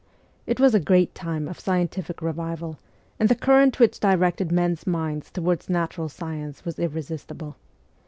It was a great time of scientific revival, and the current which directed men's minds towards natural science was irresistible.